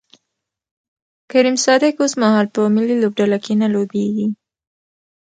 کریم صادق اوسمهال په ملي لوبډله کې نه لوبیږي